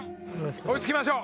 追いつきましょう！